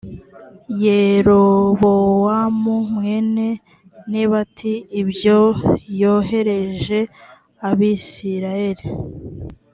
yerobowamu mwene nebati ibyo yoheje abisirayeli